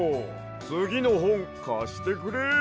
つぎのほんかしてくれ！